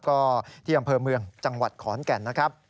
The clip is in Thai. ก็ที่อำเภอเมืองจังหวัดขอนแก่นนะครับ